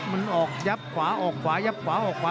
มันออกยับขวาออกขวายับขวาออกขวา